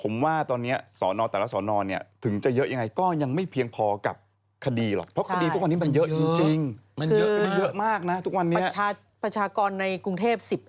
มันเยอะมันเยาะมากน่ะทุกวันนี้